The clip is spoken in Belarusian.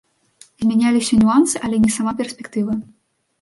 Змяняліся нюансы, але не сама перспектыва.